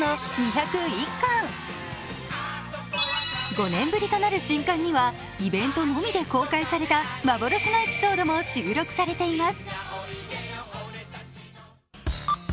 ５年ぶりとなる新刊にはイベントのみで公開された幻のエピソードも収録されています。